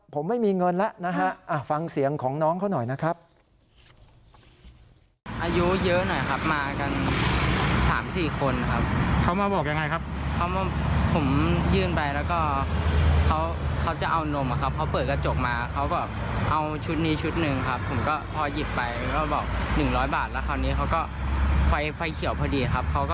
ผมไม่มีเงินแล้วนะฮะฟังเสียงของน้องเขาหน่อยนะครับ